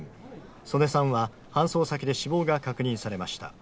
曾根さんは搬送先で死亡が確認されました。